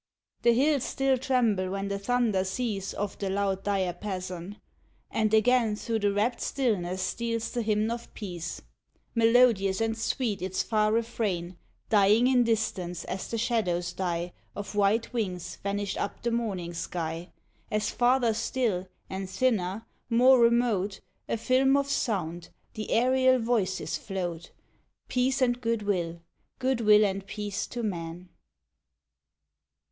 The hills still tremble when the thunders cease Of the loud diapason, and again Through the rapt stillness steals the hymn of peace; Melodious and sweet its far refrain Dying in distance, as the shadows die Of white wings vanished up the morning sky, As farther still and thinner more remote A film of sound, the aerial voices float Peace and good will, good will and peace to men!